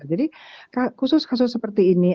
jadi khusus kasus seperti ini